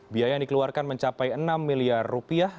biaya yang dikeluarkan mencapai enam miliar rupiah